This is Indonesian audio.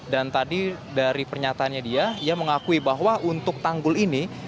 dan tadi dari pernyatanya dia dia mengakui bahwa untuk tanggul ini